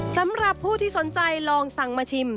สำหรับผู้ที่สนใจลองสั่งมาชิม